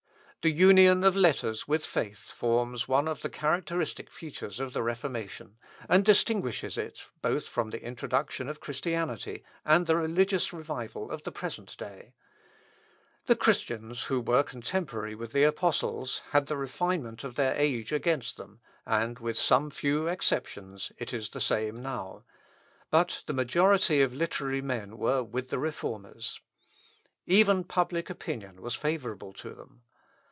The union of letters with faith forms one of the characteristic features of the Reformation, and distinguishes it, both from the introduction of Christianity, and the religious revival of the present day. The Christians, who were contemporary with the Apostles, had the refinement of their age against them, and, with some few exceptions, it is the same now; but the majority of literary men were with the Reformers. Even public opinion was favourable to them.